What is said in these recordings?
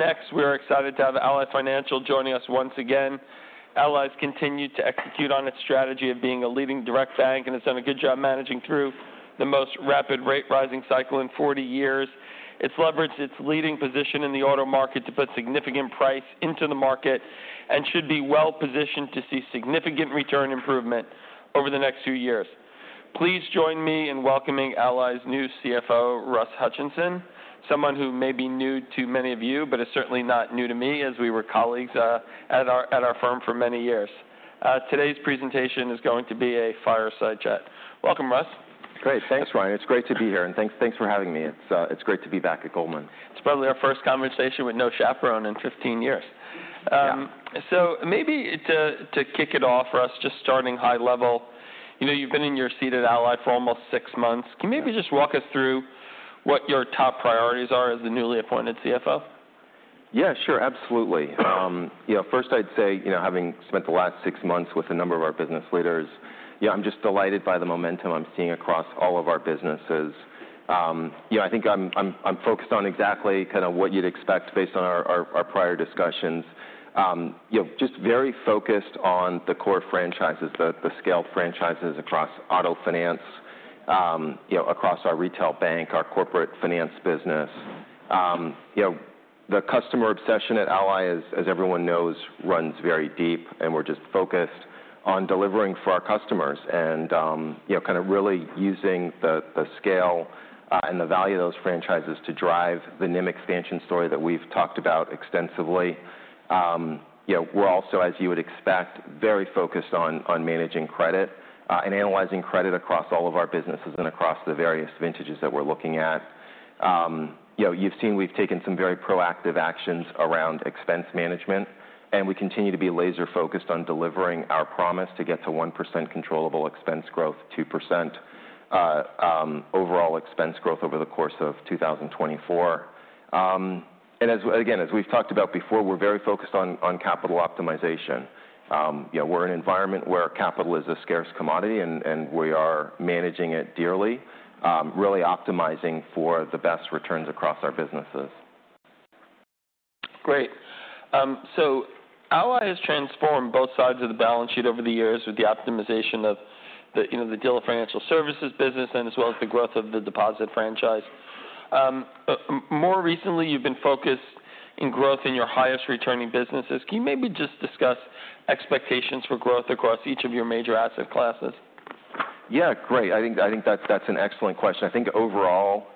Up next, we are excited to have Ally Financial joining us once again. Ally's continued to execute on its strategy of being a leading direct bank, and it's done a good job managing through the most rapid rate-rising cycle in 40 years. It's leveraged its leading position in the auto market to put significant price into the market and should be well-positioned to see significant return improvement over the next few years. Please join me in welcoming Ally's new CFO, Russ Hutchinson, someone who may be new to many of you, but is certainly not new to me, as we were colleagues at our firm for many years. Today's presentation is going to be a fireside chat. Welcome, Russ. Great. Thanks, Ryan. It's great to be here, and thanks, thanks for having me. It's, it's great to be back at Goldman. It's probably our first conversation with no chaperone in 15 years. Yeah. So maybe to kick it off, Russ, just starting high level, you know, you've been in your seat at Ally for almost six months. Yeah. Can you maybe just walk us through what your top priorities are as the newly appointed CFO? Yeah, sure. Absolutely. You know, first I'd say, you know, having spent the last six months with a number of our business leaders, yeah, I'm just delighted by the momentum I'm seeing across all of our businesses. You know, I think I'm focused on exactly kind of what you'd expect based on our prior discussions. You know, just very focused on the core franchises, the scale franchises across auto finance, you know, across our retail bank, our corporate finance business. You know, the customer obsession at Ally, as everyone knows, runs very deep, and we're just focused on delivering for our customers and, you know, kind of really using the scale and the value of those franchises to drive the NIM expansion story that we've talked about extensively. You know, we're also, as you would expect, very focused on managing credit and analyzing credit across all of our businesses and across the various vintages that we're looking at. You know, you've seen we've taken some very proactive actions around expense management, and we continue to be laser-focused on delivering our promise to get to 1% controllable expense growth, 2% overall expense growth over the course of 2024. And as again, as we've talked about before, we're very focused on capital optimization. You know, we're in an environment where capital is a scarce commodity, and we are managing it dearly, really optimizing for the best returns across our businesses. Great. So Ally has transformed both sides of the balance sheet over the years with the optimization of the, you know, the dealer financial services business and as well as the growth of the deposit franchise. More recently, you've been focused in growth in your highest-returning businesses. Can you maybe just discuss expectations for growth across each of your major asset classes? Yeah, great. I think, I think that's, that's an excellent question. I think overall,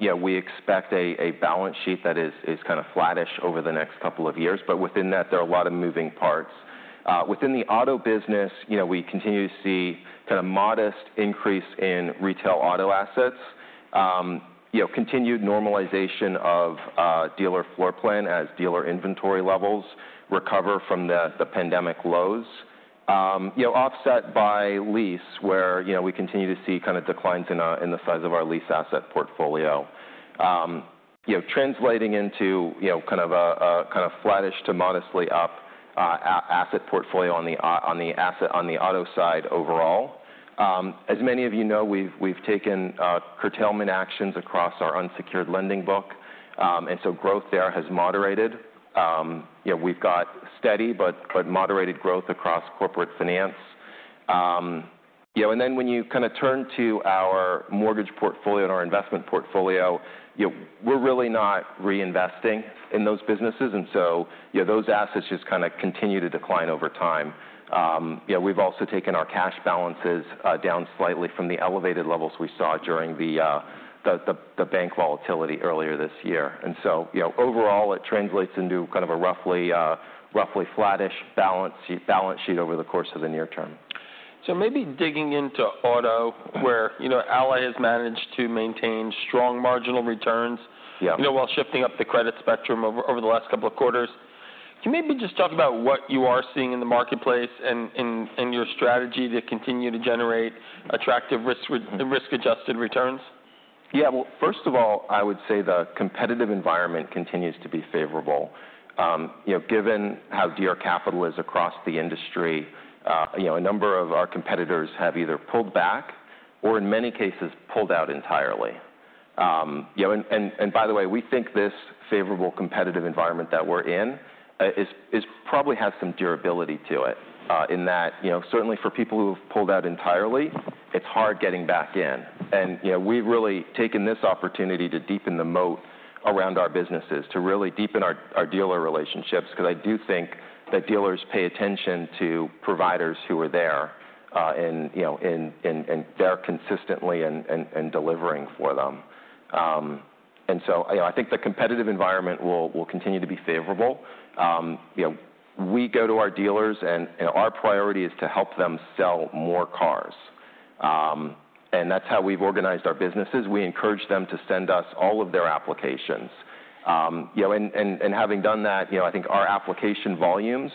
yeah, we expect a balance sheet that is kind of flattish over the next couple of years, but within that, there are a lot of moving parts. Within the auto business, you know, we continue to see kind of modest increase in retail auto assets, you know, continued normalization of dealer floor plan as dealer inventory levels recover from the pandemic lows. You know, offset by lease, where, you know, we continue to see kind of declines in the size of our lease asset portfolio. You know, translating into kind of a flattish to modestly up asset portfolio on the auto side overall. As many of you know, we've taken curtailment actions across our unsecured lending book, and so growth there has moderated. You know, we've got steady but moderated growth across corporate finance. You know, and then when you kind of turn to our mortgage portfolio and our investment portfolio, you know, we're really not reinvesting in those businesses, and so, you know, those assets just kind of continue to decline over time. You know, we've also taken our cash balances down slightly from the elevated levels we saw during the bank volatility earlier this year. And so, you know, overall, it translates into kind of a roughly flattish balance sheet over the course of the near term. Maybe digging into auto, where, you know, Ally has managed to maintain strong marginal returns, you know, while shifting up the credit spectrum over the last couple of quarters. Can you maybe just talk about what you are seeing in the marketplace and your strategy to continue to generate attractive risk-adjusted returns? Yeah. Well, first of all, I would say the competitive environment continues to be favorable. You know, given how dear capital is across the industry, you know, a number of our competitors have either pulled back or, in many cases, pulled out entirely. And by the way, we think this favorable competitive environment that we're in is probably has some durability to it, in that, you know, certainly for people who have pulled out entirely, it's hard getting back in. And, you know, we've really taken this opportunity to deepen the moat around our businesses, to really deepen our dealer relationships, because I do think that dealers pay attention to providers who are there, and, you know, there consistently and delivering for them. And so, you know, I think the competitive environment will continue to be favorable. You know, we go to our dealers, and our priority is to help them sell more cars. And that's how we've organized our businesses. We encourage them to send us all of their applications. You know, and having done that, you know, I think our application volumes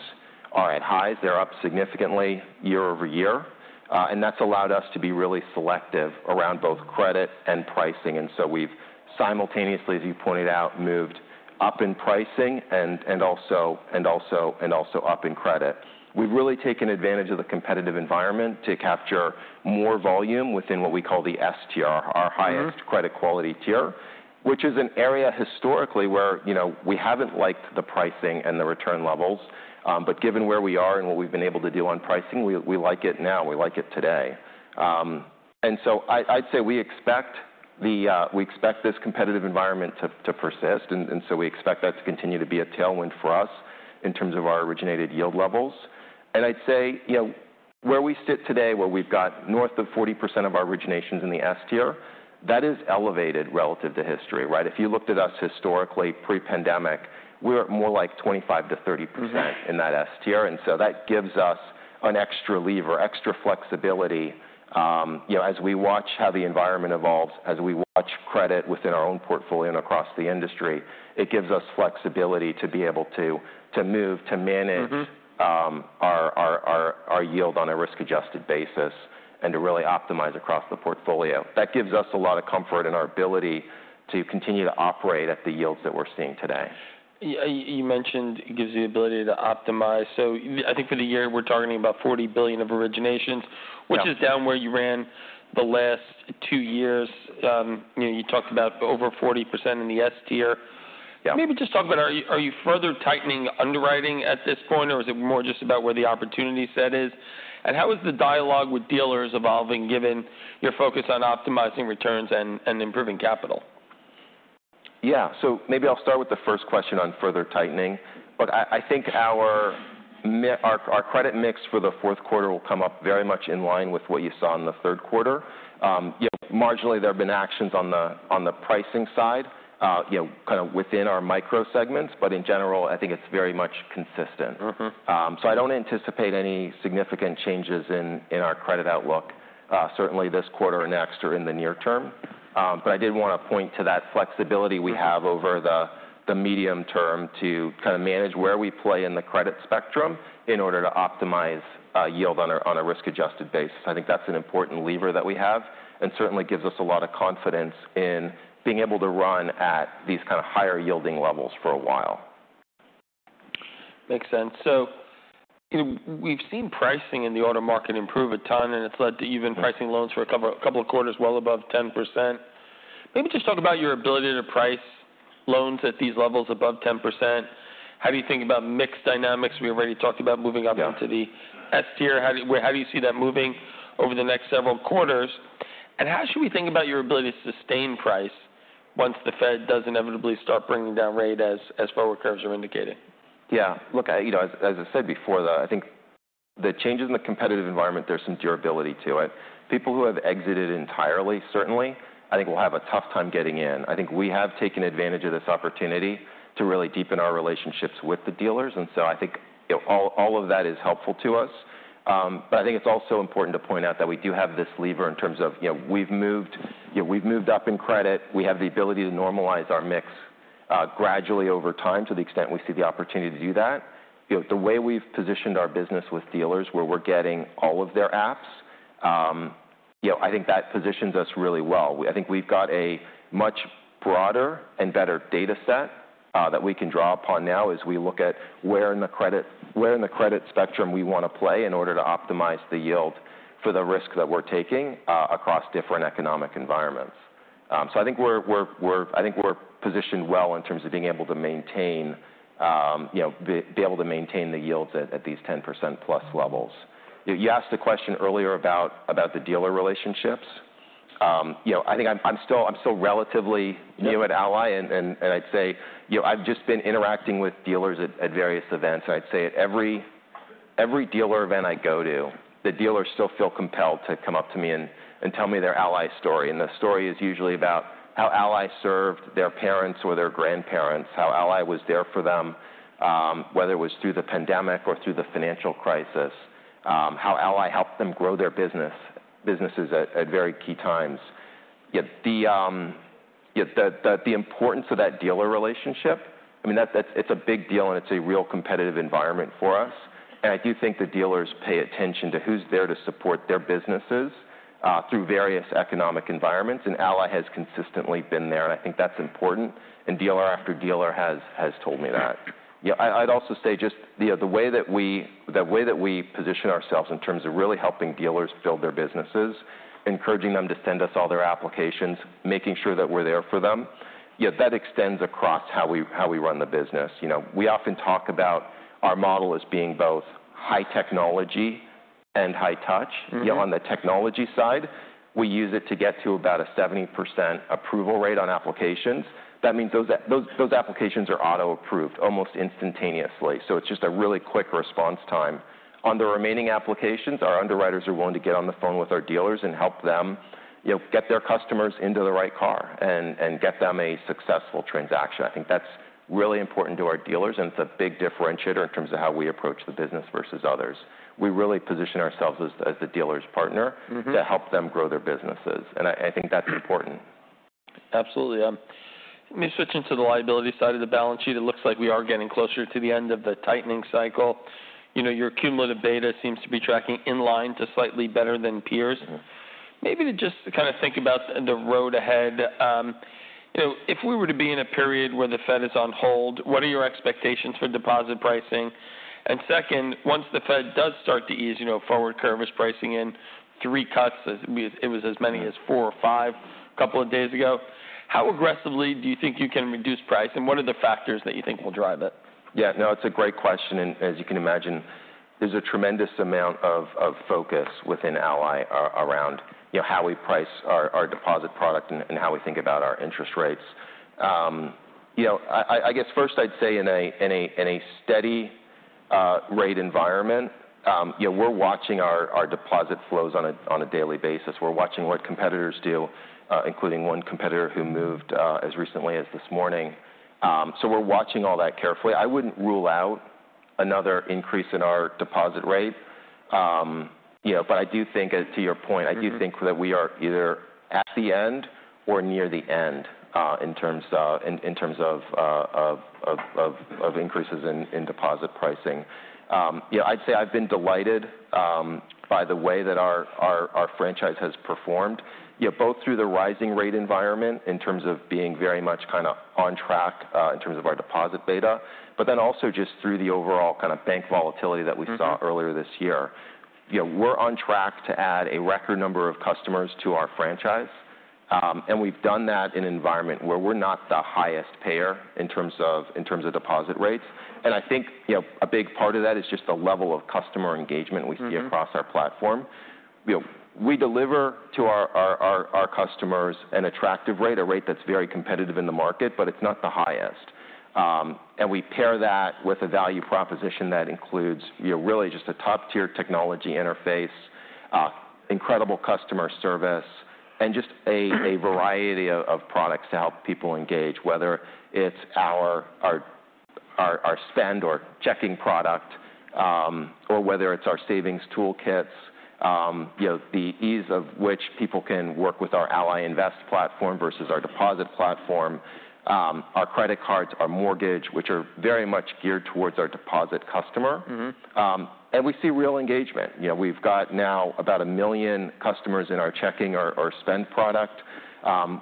are at highs. They're up significantly year-over-year, and that's allowed us to be really selective around both credit and pricing. And so we've simultaneously, as you pointed out, moved up in pricing and also up in credit. We've really taken advantage of the competitive environment to capture more volume within what we call S Tier, our highest credit quality tier, which is an area historically where, you know, we haven't liked the pricing and the return levels. But given where we are and what we've been able to do on pricing, we like it now, we like it today. And so I'd say we expect this competitive environment to persist, and so we expect that to continue to be a tailwind for us in terms of our originated yield levels. And I'd say, you know, where we sit today, where we've got north of 40% of our originations in the S Tier, that is elevated relative to history, right? If you looked at us historically, pre-pandemic, we were at more like 25%-30% in that S Tier, and so that gives us an extra lever, extra flexibility. You know, as we watch how the environment evolves, as we watch credit within our own portfolio and across the industry, it gives us flexibility to be able to, to move, to manage our yield on a risk-adjusted basis and to really optimize across the portfolio. That gives us a lot of comfort in our ability to continue to operate at the yields that we're seeing today. Yeah. You, you mentioned it gives the ability to optimize. So I think for the year, we're targeting about $40 billion of originations which is down where you ran the last two years. You know, you talked about over 40% in the S Tier. Yeah. Maybe just talk about are you, are you further tightening underwriting at this point, or is it more just about where the opportunity set is? And how is the dialogue with dealers evolving, given your focus on optimizing returns and, and improving capital? Yeah. So maybe I'll start with the first question on further tightening. But I think our credit mix for the fourth quarter will come up very much in line with what you saw in the third quarter. Yeah, marginally, there have been actions on the pricing side, you know, kind of within our microsegments, but in general, I think it's very much consistent. Mm-hmm. So I don't anticipate any significant changes in our credit outlook, certainly this quarter or next or in the near term. But I did want to point to that flexibility we have over the medium term to kind of manage where we play in the credit spectrum in order to optimize yield on a risk-adjusted basis. I think that's an important lever that we have and certainly gives us a lot of confidence in being able to run at these kind of higher-yielding levels for a while. Makes sense. So, you know, we've seen pricing in the auto market improve a ton, and it's led to even pricing loans for a couple of quarters well above 10%. Maybe just talk about your ability to price loans at these levels above 10%. How do you think about mix dynamics? We already talked about moving up onto the S Tier. How do you, how do you see that moving over the next several quarters? How should we think about your ability to sustain price once the Fed does inevitably start bringing down rate as, as forward curves are indicated? Yeah. Look, you know, as I said before, though, I think the changes in the competitive environment, there's some durability to it. People who have exited entirely, certainly, I think will have a tough time getting in. I think we have taken advantage of this opportunity to really deepen our relationships with the dealers, and so I think, you know, all of that is helpful to us. But I think it's also important to point out that we do have this lever in terms of, you know, we've moved, yeah, we've moved up in credit. We have the ability to normalize our mix, gradually over time, to the extent we see the opportunity to do that. You know, the way we've positioned our business with dealers, where we're getting all of their apps, you know, I think that positions us really well. I think we've got a much broader and better data set that we can draw upon now as we look at where in the credit spectrum we want to play in order to optimize the yield for the risk that we're taking across different economic environments. So I think we're positioned well in terms of being able to maintain, you know, able to maintain the yields at these 10%+ levels. You asked a question earlier about the dealer relationships. You know, I think I'm still relatively new at Ally, and I'd say, you know, I've just been interacting with dealers at various events. I'd say at every dealer event I go to, the dealers still feel compelled to come up to me and tell me their Ally story. And the story is usually about how Ally served their parents or their grandparents, how Ally was there for them, whether it was through the pandemic or through the financial crisis, how Ally helped them grow their businesses at very key times. Yet the importance of that dealer relationship, I mean, that's a big deal, and it's a real competitive environment for us. I do think the dealers pay attention to who's there to support their businesses through various economic environments, and Ally has consistently been there, and I think that's important, and dealer after dealer has told me that. Yeah, I'd also say just, you know, the way that we position ourselves in terms of really helping dealers build their businesses, encouraging them to send us all their applications, making sure that we're there for them, yeah, that extends across how we run the business. You know, we often talk about our model as being both high technology and high touch. Mm-hmm. On the technology side, we use it to get to about a 70% approval rate on applications. That means those applications are auto-approved almost instantaneously. So it's just a really quick response time. On the remaining applications, our underwriters are willing to get on the phone with our dealers and help them, you know, get their customers into the right car and get them a successful transaction. I think that's really important to our dealers, and it's a big differentiator in terms of how we approach the business versus others. We really position ourselves as the dealer's partner to help them grow their businesses, and I think that's important. Absolutely. Let me switch into the liability side of the balance sheet. It looks like we are getting closer to the end of the tightening cycle. You know, your cumulative data seems to be tracking in line to slightly better than peers. Maybe just to kind of think about the road ahead, you know, if we were to be in a period where the Fed is on hold, what are your expectations for deposit pricing? And second, once the Fed does start to ease, you know, forward curve is pricing in three cuts, as it was as many as four or five a couple of days ago. How aggressively do you think you can reduce price, and what are the factors that you think will drive it? Yeah, no, it's a great question, and as you can imagine, there's a tremendous amount of focus within Ally around, you know, how we price our deposit product and how we think about our interest rates. You know, I guess first I'd say in a steady rate environment, you know, we're watching our deposit flows on a daily basis. We're watching what competitors do, including one competitor who moved as recently as this morning. So we're watching all that carefully. I wouldn't rule out another increase in our deposit rate. You know, but I do think as to your point, I do think that we are either at the end or near the end in terms of increases in deposit pricing. You know, I'd say I've been delighted by the way that our franchise has performed, you know, both through the rising rate environment in terms of being very much kind of on track in terms of our deposit beta, but then also just through the overall kind of bank volatility that we saw earlier this year. You know, we're on track to add a record number of customers to our franchise, and we've done that in an environment where we're not the highest payer in terms of, in terms of deposit rates. And I think, you know, a big part of that is just the level of customer engagement we see across our platform. You know, we deliver to our customers an attractive rate, a rate that's very competitive in the market, but it's not the highest. And we pair that with a value proposition that includes, you know, really just a top-tier technology interface, incredible customer service, and just a variety of products to help people engage, whether it's our spend or checking product, or whether it's our savings toolkits. You know, the ease of which people can work with our Ally Invest platform versus our deposit platform, our credit cards, our mortgage, which are very much geared towards our deposit customer. Mm-hmm. And we see real engagement. You know, we've got now about 1 million customers in our checking or spend product.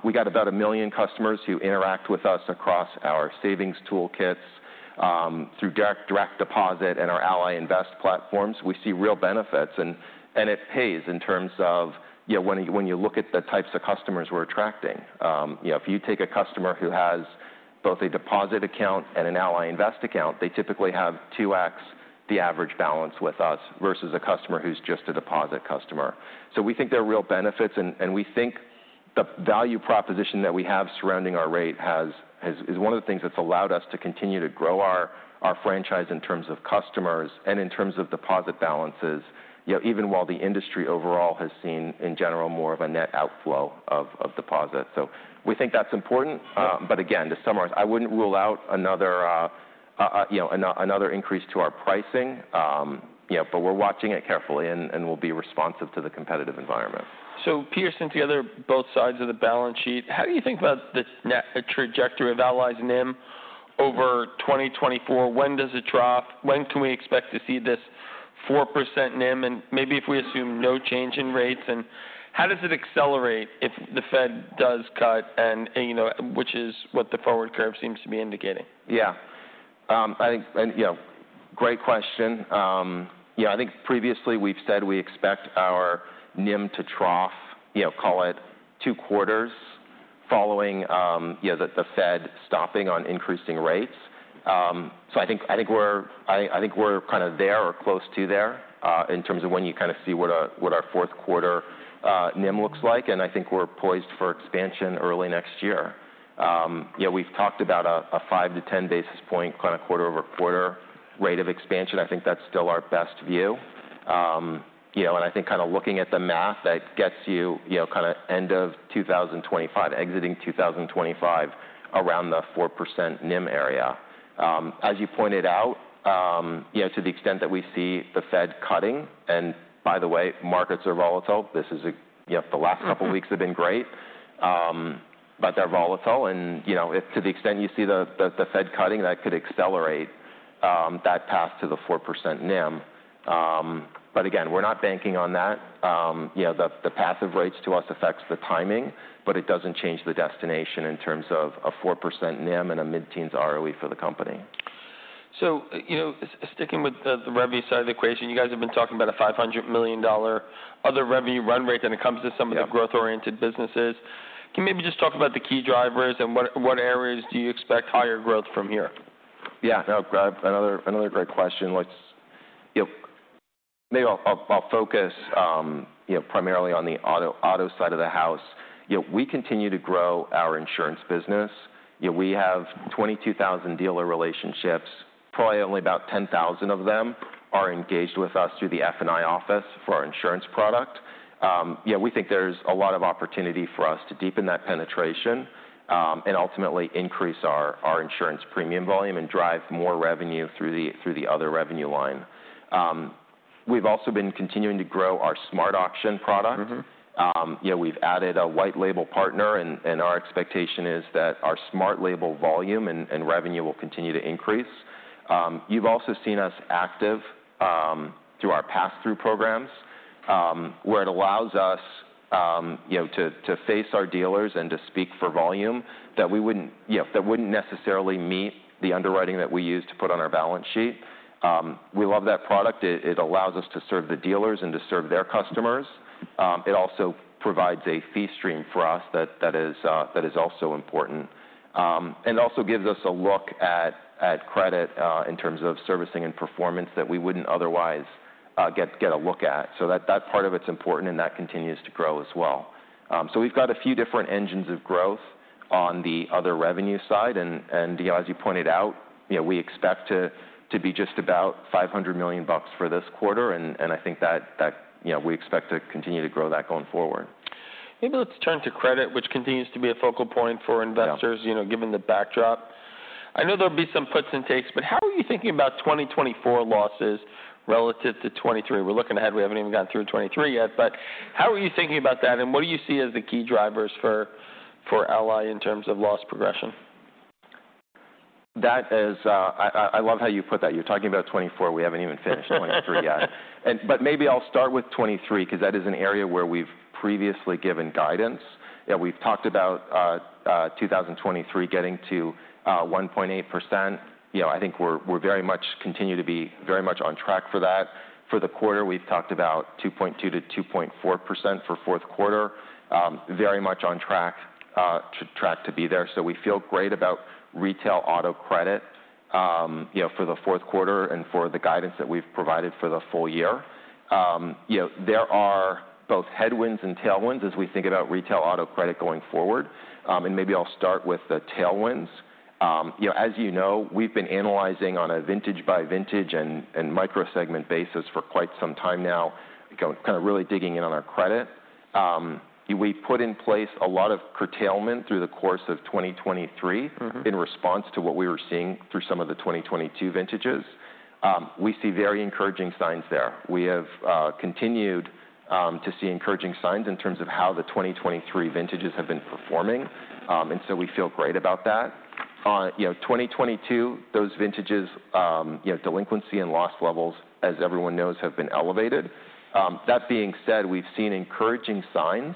We got about 1 million customers who interact with us across our savings toolkits through direct deposit and our Ally Invest platforms. We see real benefits, and it pays in terms of, you know, when you look at the types of customers we're attracting. You know, if you take a customer who has both a deposit account and an Ally Invest account, they typically have 2x the average balance with us versus a customer who's just a deposit customer. So we think there are real benefits, and we think the value proposition that we have surrounding our rate has is one of the things that's allowed us to continue to grow our franchise in terms of customers and in terms of deposit balances, you know, even while the industry overall has seen, in general, more of a net outflow of deposits. So we think that's important. Sure. But again, to summarize, I wouldn't rule out another, you know, another increase to our pricing. You know, but we're watching it carefully, and we'll be responsive to the competitive environment. So, Russ, on both sides of the balance sheet, how do you think about this net trajectory of Ally's NIM over 2024? When does it drop? When can we expect to see this 4% NIM? And maybe if we assume no change in rates, and how does it accelerate if the Fed does cut and, you know, which is what the forward curve seems to be indicating? Yeah. I think, and yeah, great question. Yeah, I think previously we've said we expect our NIM to trough, you know, call it two quarters following, you know, the Fed stopping on increasing rates. So I think, I think we're kind of there or close to there, in terms of when you kind of see what our, what our fourth quarter, NIM looks like, and I think we're poised for expansion early next year. You know, we've talked about a 5-10 basis point kind of quarter-over-quarter rate of expansion. I think that's still our best view. You know, and I think kind of looking at the math, that gets you, you know, kind of end of 2025, exiting 2025, around the 4% NIM area. As you pointed out, you know, to the extent that we see the Fed cutting, and by the way, markets are volatile. This is a, you know, the last couple of weeks have been great, but they're volatile, and, you know, if to the extent you see the, the, the Fed cutting, that could accelerate, that path to the 4% NIM. But again, we're not banking on that. You know, the, the path of rates to us affects the timing, but it doesn't change the destination in terms of a 4% NIM and a mid-teens ROE for the company. So, you know, sticking with the revenue side of the equation, you guys have been talking about a $500 million other revenue run rate when it comes to some of the growth-oriented businesses. Can you maybe just talk about the key drivers and what, what areas do you expect higher growth from here? Yeah, no, another great question. Let's, you know, maybe I'll focus, you know, primarily on the auto side of the house. You know, we continue to grow our insurance business. You know, we have 22,000 dealer relationships. Probably only about 10,000 of them are engaged with us through the F&I office for our insurance product. Yeah, we think there's a lot of opportunity for us to deepen that penetration, and ultimately increase our insurance premium volume and drive more revenue through the other revenue line. We've also been continuing to grow our SmartAuction product. Mm-hmm. Yeah, we've added a white label partner, and our expectation is that our smart label volume and revenue will continue to increase. You've also seen us active through our pass-through programs, where it allows us, you know, to face our dealers and to speak for volume that we wouldn't—yeah, that wouldn't necessarily meet the underwriting that we use to put on our balance sheet. We love that product. It allows us to serve the dealers and to serve their customers. It also provides a fee stream for us that is also important. And also gives us a look at credit in terms of servicing and performance that we wouldn't otherwise get a look at. So that part of it's important, and that continues to grow as well. So we've got a few different engines of growth on the other revenue side, and you know, as you pointed out, you know, we expect to be just about $500 million for this quarter, and I think that you know, we expect to continue to grow that going forward. Maybe let's turn to credit, which continues to be a focal point for investors you know, given the backdrop. I know there'll be some puts and takes, but how are you thinking about 2024 losses relative to 2023? We're looking ahead, we haven't even gotten through 2023 yet, but how are you thinking about that, and what do you see as the key drivers for, for Ally in terms of loss progression? That is, I love how you put that. You're talking about 2024; we haven't even finished 2023 yet. But maybe I'll start with 2023, 'cause that is an area where we've previously given guidance. Yeah, we've talked about 2023 getting to 1.8%. You know, I think we're very much continue to be very much on track for that. For the quarter, we've talked about 2.2%-2.4% for fourth quarter. Very much on track to be there. So we feel great about retail auto credit, you know, for the fourth quarter and for the guidance that we've provided for the full year. You know, there are both headwinds and tailwinds as we think about retail auto credit going forward. Maybe I'll start with the tailwinds. You know, as you know, we've been analyzing on a vintage-by-vintage and micro-segment basis for quite some time now, kind of, really digging in on our credit. We put in place a lot of curtailment through the course of 2023 in response to what we were seeing through some of the 2022 vintages. We see very encouraging signs there. We have continued to see encouraging signs in terms of how the 2023 vintages have been performing. And so we feel great about that. You know, 2022, those vintages, you know, delinquency and loss levels, as everyone knows, have been elevated. That being said, we've seen encouraging signs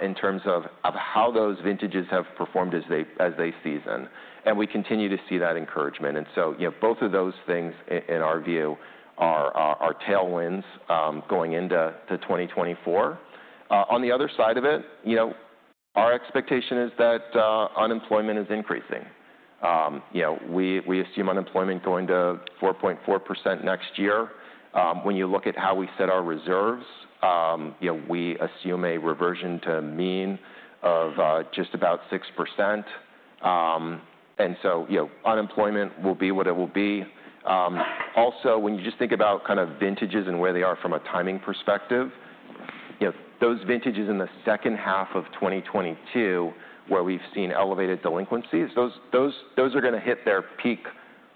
in terms of how those vintages have performed as they season, and we continue to see that encouragement. And so, you know, both of those things in our view are tailwinds going into 2024. On the other side of it, you know, our expectation is that unemployment is increasing. You know, we assume unemployment going to 4.4% next year. When you look at how we set our reserves, you know, we assume a reversion to mean of just about 6%. And so, you know, unemployment will be what it will be. Also, when you just think about kind of vintages and where they are from a timing perspective, you know, those vintages in the second half of 2022, where we've seen elevated delinquencies, those are gonna hit their peak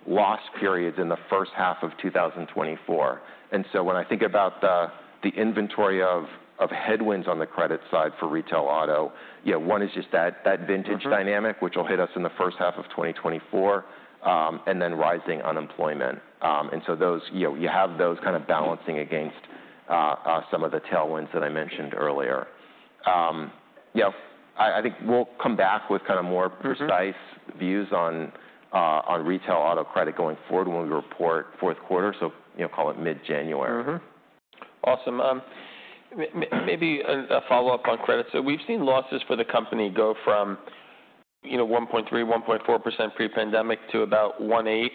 loss periods in the first half of 2024. And so when I think about the inventory of headwinds on the credit side for retail auto, you know, one is just that vintage dynamic which will hit us in the first half of 2024, and then rising unemployment. And so those, you know, you have those kind of balancing against some of the tailwinds that I mentioned earlier. You know, I, I think we'll come back with kind of more precise views on retail auto credit going forward when we report fourth quarter, so, you know, call it mid-January. Mm-hmm. Awesome. Maybe a follow-up on credit. So we've seen losses for the company go from, you know, 1.3%-1.4% pre-pandemic to about 1.8%.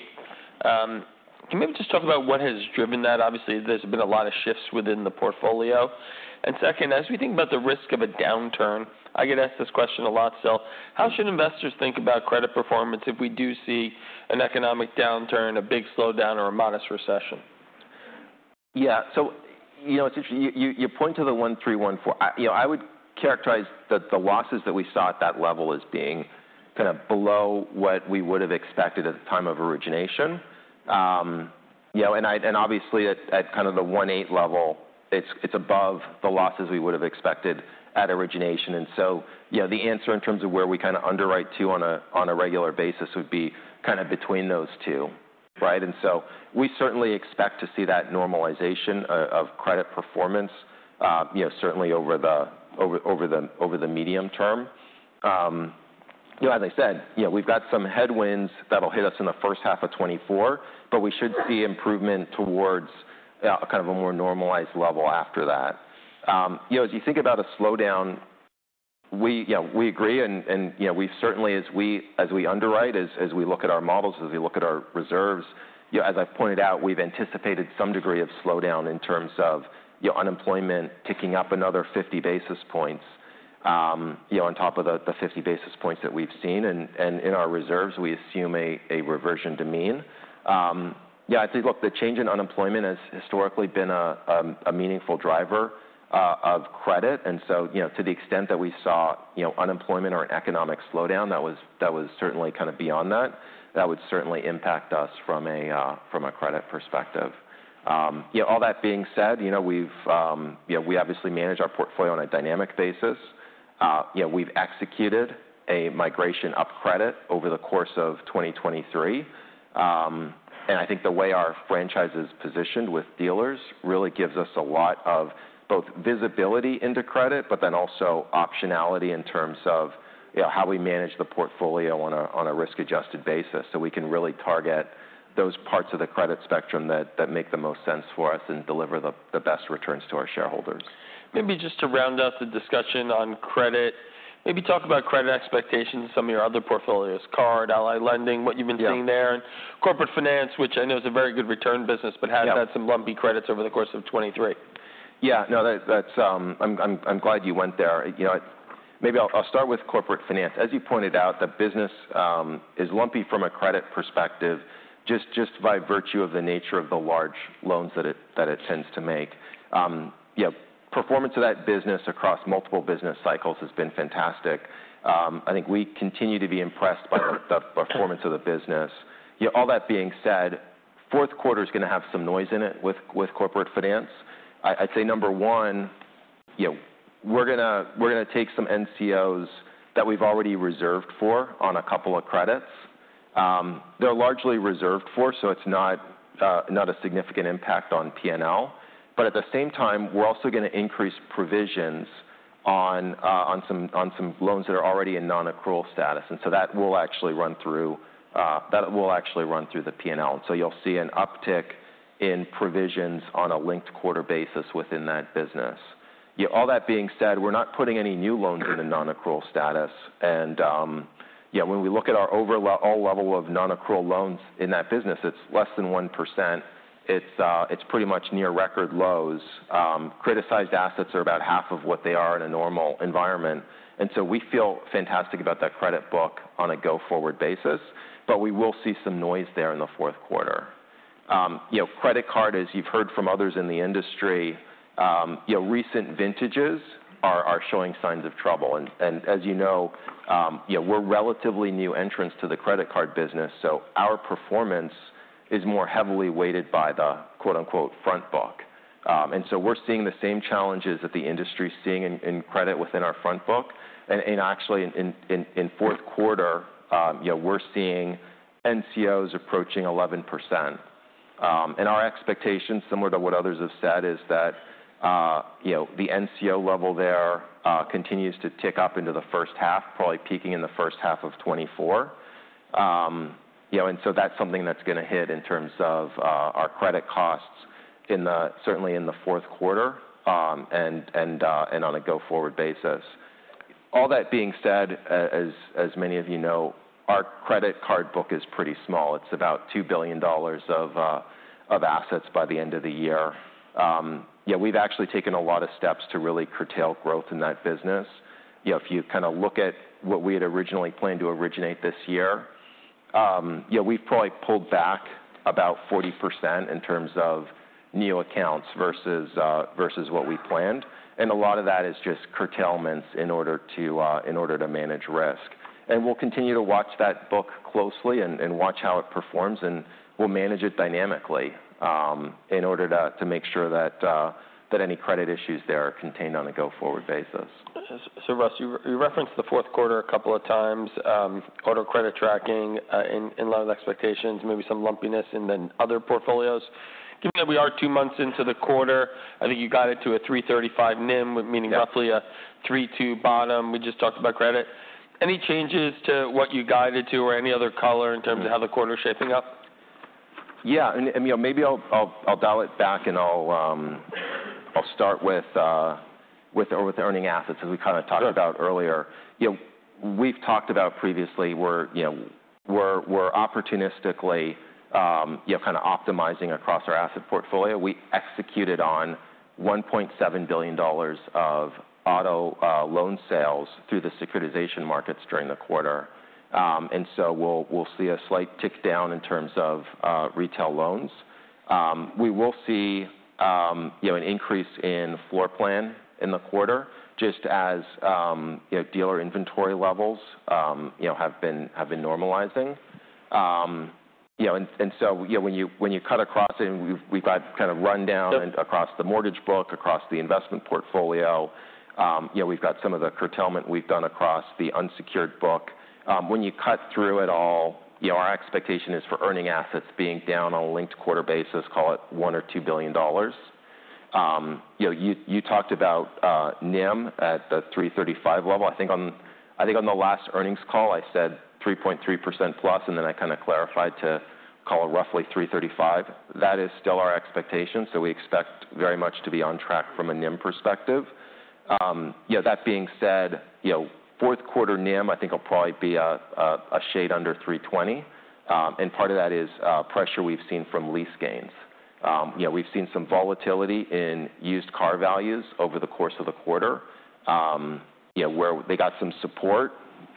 Can you maybe just talk about what has driven that? Obviously, there's been a lot of shifts within the portfolio. And second, as we think about the risk of a downturn, I get asked this question a lot, so: How should investors think about credit performance if we do see an economic downturn, a big slowdown, or a modest recession? Yeah. So, you know, it's interest- you point to the 1.3%, 1.4%. You know, I would characterize the losses that we saw at that level as being kind of below what we would have expected at the time of origination. You know, and obviously, at kind of the 1.8% level, it's above the losses we would have expected at origination. And so, you know, the answer in terms of where we kind of underwrite to on a regular basis would be kind of between those two, right? And so we certainly expect to see that normalization of credit performance, you know, certainly over the medium term. You know, as I said, you know, we've got some headwinds that'll hit us in the first half of 2024, but we should see improvement towards kind of a more normalized level after that. You know, as you think about a slowdown, you know, we agree and, you know, we've certainly, as we underwrite, as we look at our models, as we look at our reserves, you know, as I've pointed out, we've anticipated some degree of slowdown in terms of, you know, unemployment picking up another 50 basis points, you know, on top of the 50 basis points that we've seen. And in our reserves, we assume a reversion to mean. Yeah, I think, look, the change in unemployment has historically been a meaningful driver of credit. And so, you know, to the extent that we saw, you know, unemployment or economic slowdown, that was, that was certainly kind of beyond that, that would certainly impact us from a, from a credit perspective. You know, all that being said, you know, we've, you know, we obviously manage our portfolio on a dynamic basis. You know, we've executed a migration of credit over the course of 2023. And I think the way our franchise is positioned with dealers really gives us a lot of both visibility into credit, but then also optionality in terms of, you know, how we manage the portfolio on a risk-adjusted basis. So we can really target those parts of the credit spectrum that, that make the most sense for us and deliver the, the best returns to our shareholders. Maybe just to round out the discussion on credit, maybe talk about credit expectations in some of your other portfolios, card, Ally Lending, what you've been seeing there. Corporate finance, which I know is a very good return business. Yeah. But has had some lumpy credits over the course of 2023. Yeah. No, that's. That's. I'm glad you went there. You know, maybe I'll start with corporate finance. As you pointed out, the business is lumpy from a credit perspective, just by virtue of the nature of the large loans that it tends to make. Yeah, performance of that business across multiple business cycles has been fantastic. I think we continue to be impressed by the performance of the business. Yeah, all that being said, fourth quarter's going to have some noise in it with corporate finance. I'd say, number one, you know, we're gonna take some NCOs that we've already reserved for on a couple of credits. They're largely reserved for, so it's not a significant impact on PNL. But at the same time, we're also gonna increase provisions on, on some loans that are already in nonaccrual status, and so that will actually run through, that will actually run through the PNL. So you'll see an uptick in provisions on a linked quarter basis within that business. Yeah, all that being said, we're not putting any new loans in a nonaccrual status. And, yeah, when we look at our overall level of nonaccrual loans in that business, it's less than 1%. It's, it's pretty much near record lows. Criticized assets are about half of what they are in a normal environment, and so we feel fantastic about that credit book on a go-forward basis, but we will see some noise there in the fourth quarter. You know, credit card, as you've heard from others in the industry, you know, recent vintages are showing signs of trouble. And as you know, you know, we're relatively new entrants to the credit card business, so our performance is more heavily weighted by the, quote, unquote, "front book." And so we're seeing the same challenges that the industry is seeing in credit within our front book. And actually, in fourth quarter, you know, we're seeing NCOs approaching 11%. And our expectations, similar to what others have said, is that you know, the NCO level there continues to tick up into the first half, probably peaking in the first half of 2024. You know, and so that's something that's gonna hit in terms of our credit costs, certainly in the fourth quarter and on a go-forward basis. All that being said, as many of you know, our credit card book is pretty small. It's about $2 billion of assets by the end of the year. Yeah, we've actually taken a lot of steps to really curtail growth in that business. You know, if you kind of look at what we had originally planned to originate this year, yeah, we've probably pulled back about 40% in terms of new accounts versus what we planned, and a lot of that is just curtailments in order to manage risk. We'll continue to watch that book closely and watch how it performs, and we'll manage it dynamically, in order to make sure that any credit issues there are contained on a go-forward basis. So Russ, you referenced the fourth quarter a couple of times, auto credit tracking, and loan expectations, maybe some lumpiness and then other portfolios. Given that we are two months into the quarter, I think you got it to a 3.35% NIM, with meaning roughly a 3%-2% bottom. We just talked about credit. Any changes to what you guided to or any other color in terms of how the quarter is shaping up? Yeah, you know, maybe I'll dial it back, and I'll start with the earning assets, as we kind of talked about earlier. You know, we've talked about previously where, you know, we're opportunistically, you know, kind of optimizing across our asset portfolio. We executed on $1.7 billion of auto loan sales through the securitization markets during the quarter. And so we'll see a slight tick down in terms of retail loans. We will see, you know, an increase in floor plan in the quarter, just as, you know, dealer inventory levels, you know, have been normalizing. You know, and so, you know, when you cut across it, and we've got kind of run down across the mortgage book, across the investment portfolio, you know, we've got some of the curtailment we've done across the unsecured book. When you cut through it all, you know, our expectation is for earning assets being down on a linked quarter basis, call it $1 billion-$2 billion. You know, you talked about NIM at the 3.35% level. I think on the last earnings call, I said 3.3%+, and then I kind of clarified to call it roughly 3.35%. That is still our expectation, so we expect very much to be on track from a NIM perspective. You know, that being said, you know, fourth quarter NIM, I think, will probably be a shade under 3.20%. And part of that is pressure we've seen from lease gains. You know, we've seen some volatility in used car values over the course of the quarter. You know, where they got some support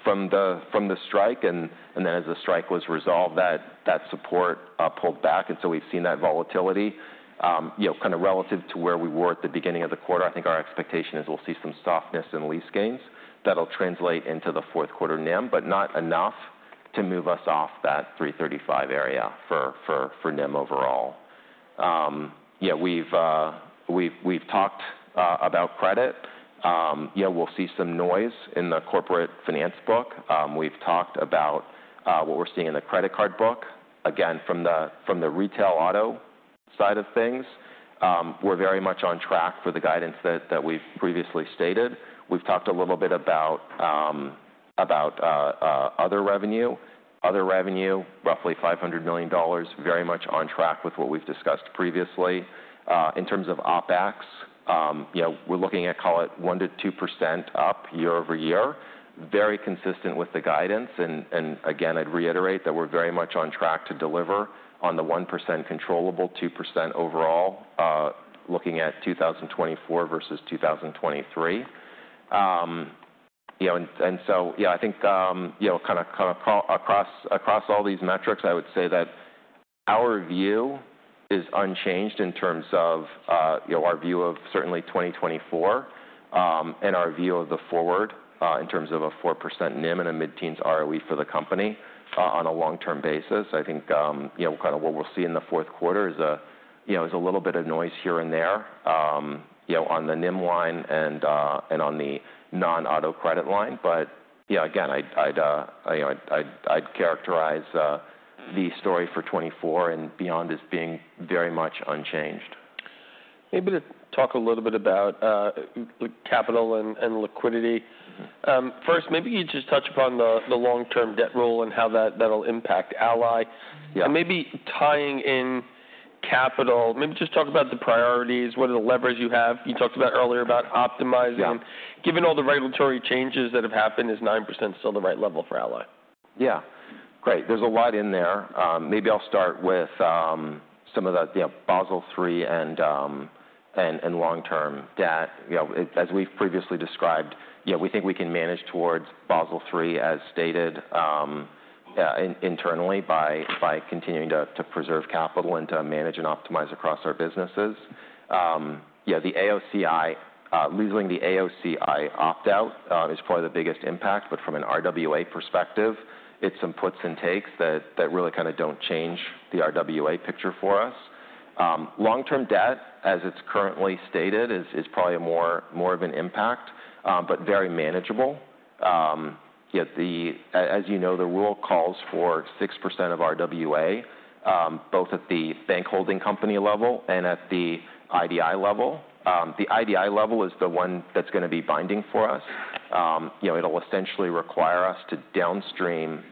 from the strike, and then as the strike was resolved, that support pulled back, and so we've seen that volatility. You know, kind of relative to where we were at the beginning of the quarter, I think our expectation is we'll see some softness in lease gains that'll translate into the fourth quarter NIM, but not enough to move us off that 3.35% area for NIM overall. Yeah, we've talked about credit. Yeah, we'll see some noise in the corporate finance book. We've talked about what we're seeing in the credit card book. Again, from the retail auto side of things, we're very much on track for the guidance that we've previously stated. We've talked a little bit about other revenue. Other revenue, roughly $500 million, very much on track with what we've discussed previously. In terms of OpEx, you know, we're looking at, call it, 1%-2% up year-over-year. Very consistent with the guidance, and again, I'd reiterate that we're very much on track to deliver on the 1% controllable, 2% overall, looking at 2024 versus 2023. You know, and so yeah, I think, you know, kind of across all these metrics, I would say that our view is unchanged in terms of, you know, our view of certainly 2024, and our view of the forward, in terms of a 4% NIM and a mid-teens ROE for the company, on a long-term basis. I think, you know, kind of what we'll see in the fourth quarter is a, you know, is a little bit of noise here and there, you know, on the NIM line and, and on the non-auto credit line. But yeah, again, I'd, you know, I'd characterize, the story for 2024 and beyond as being very much unchanged. Maybe to talk a little bit about capital and liquidity. First, maybe you just touch upon the long-term debt role and how that'll impact Ally. Yeah. Maybe tying in capital, maybe just talk about the priorities. What are the levers you have? You talked about earlier about optimizing. Yeah. Given all the regulatory changes that have happened, is 9% still the right level for Ally? Yeah. Great, there's a lot in there. Maybe I'll start with some of the, you know, Basel III and long-term debt. You know, as we've previously described, yeah, we think we can manage towards Basel III, as stated, internally by continuing to preserve capital and to manage and optimize across our businesses. Yeah, the AOCI losing the AOCI opt-out is probably the biggest impact, but from an RWA perspective, it's some puts and takes that really kind of don't change the RWA picture for us. Long-term debt, as it's currently stated, is probably more of an impact, but very manageable. Yet the—as you know, the rule calls for 6% of RWA, both at the bank holding company level and at the IDI level. The IDI level is the one that's going to be binding for us. You know, it'll essentially require us to downstream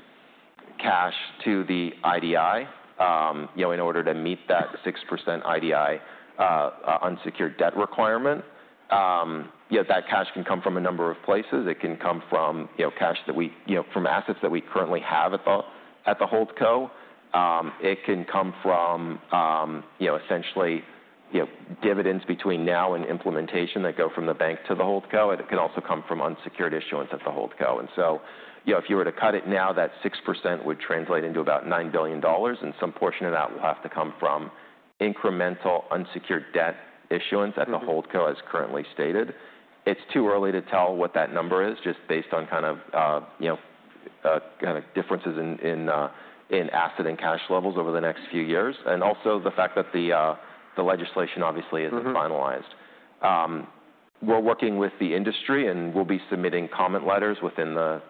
cash to the IDI, you know, in order to meet that 6% IDI unsecured debt requirement. Yet that cash can come from a number of places. It can come from, you know, cash that we—you know, from assets that we currently have at the Holdco. It can come from, you know, essentially, you know, dividends between now and implementation that go from the bank to the Holdco. It can also come from unsecured issuance at the Holdco. And so, you know, if you were to cut it now, that 6% would translate into about $9 billion, and some portion of that will have to come from incremental unsecured debt issuance at the Holdco, as currently stated. It's too early to tell what that number is, just based on kind of, you know, kind of differences in asset and cash levels over the next few years, and also the fact that the legislation obviously isn't finalized. We're working with the industry, and we'll be submitting comment letters within the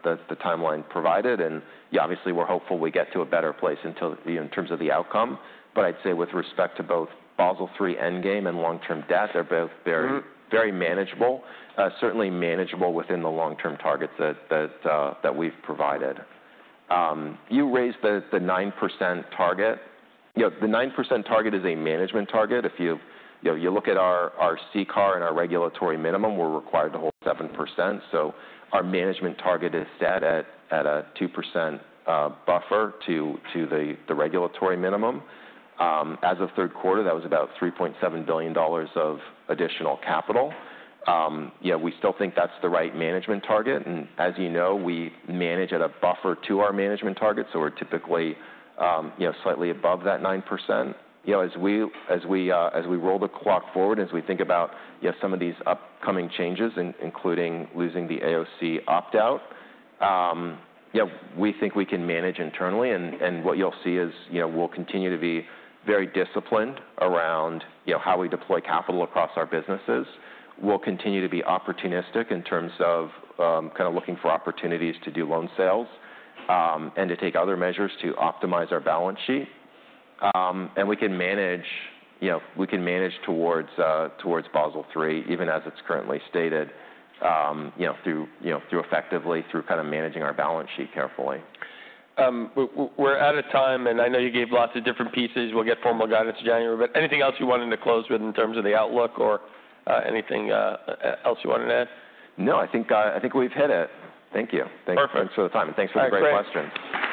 timeline provided. And yeah, obviously, we're hopeful we get to a better place until, you know, in terms of the outcome. But I'd say with respect to both Basel III endgame and long-term debt, they're both very very manageable, certainly manageable within the long-term targets that, that, that we've provided. You raised the, the 9% target. You know, the 9% target is a management target. If you, you know, you look at our, our CCAR and our regulatory minimum, we're required to hold 7%, so our management target is set at, at a 2%, buffer to, to the, the regulatory minimum. As of third quarter, that was about $3.7 billion of additional capital. Yeah, we still think that's the right management target, and as you know, we manage at a buffer to our management target, so we're typically, you know, slightly above that 9%. You know, as we roll the clock forward, as we think about, you know, some of these upcoming changes, including losing the AOCI opt-out, yeah, we think we can manage internally. And what you'll see is, you know, we'll continue to be very disciplined around, you know, how we deploy capital across our businesses. We'll continue to be opportunistic in terms of, kind of looking for opportunities to do loan sales, and to take other measures to optimize our balance sheet. And we can manage, you know, we can manage towards, towards Basel III, even as it's currently stated, you know, through, you know, through effectively, through kind of managing our balance sheet carefully. We're out of time, and I know you gave lots of different pieces. We'll get formal guidance in January, but anything else you wanted to close with in terms of the outlook or anything else you wanted to add? No, I think, I think we've hit it. Thank you. Perfect. Thanks for the time, and thanks for the great questions.